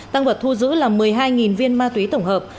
tăng vật thu giữ là một mươi hai viên ma túy tổng hợp